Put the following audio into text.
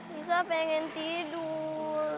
risa pengen tidur